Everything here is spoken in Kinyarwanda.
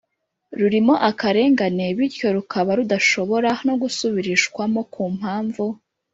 rurimo akarengane bityo rukaba rudashobora no gusubirishwamo ku mpamvu